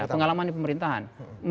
pengalaman di pemerintahan